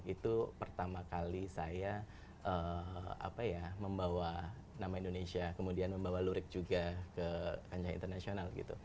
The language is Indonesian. itu pertama kali saya membawa nama indonesia kemudian membawa lurik juga ke kancah internasional